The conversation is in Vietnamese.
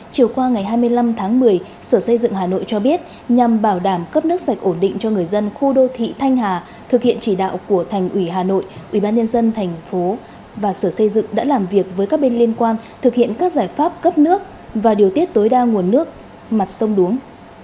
chiều qua ngày hai mươi năm tháng một mươi sở xây dựng hà nội cho biết nhằm bảo đảm cấp nước sạch ổn định cho người dân khu đô thị thanh hà thực hiện chỉ đạo của thành ủy hà nội ubnd tp và sở xây dựng đã làm việc với các bên liên quan thực hiện các giải pháp cấp nước và điều tiết tối đa nguồn nước mặt sông đuống